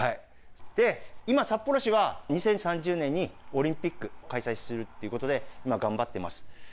今、札幌市は２０３０年にオリンピック開催するっていうことで、今頑張ってます。